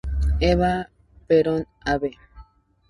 Eva Perón, Av.